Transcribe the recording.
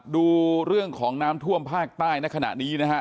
ดูเรื่องของน้ำท่วมภาคใต้ในขณะนี้นะฮะ